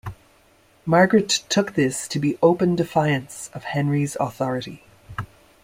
Margaret took this to be open defiance of Henry's authority.